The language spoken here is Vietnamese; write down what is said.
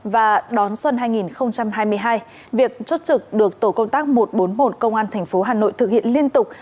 và đón xuân hai nghìn hai mươi hai việc chốt trực được tổ công tác một trăm bốn mươi một công an tp hà nội thực hiện liên tục